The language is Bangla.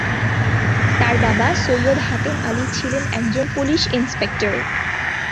তার বাবা সৈয়দ হাতেম আলী ছিলেন একজন পুলিশ ইন্সপেক্টর।